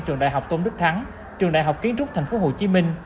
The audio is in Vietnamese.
trường đại học tôn đức thắng trường đại học kiến trúc tp hcm